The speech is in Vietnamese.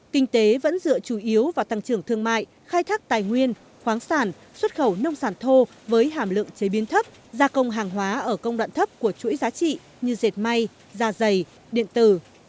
kinh tế vẫn dựa chủ yếu vào tăng trưởng thương mại khai thác tài nguyên khoáng sản xuất khẩu nông sản thô với hàm lượng chế biến thấp gia công hàng hóa ở công đoạn thấp của chuỗi giá trị như dệt may da dày điện tử